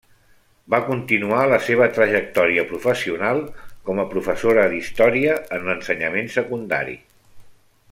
Va continuar la seva trajectòria professional com a professora d'Història en l'ensenyament secundari.